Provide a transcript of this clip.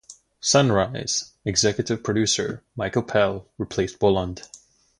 "Sunrise" executive producer Michael Pell replaced Boland.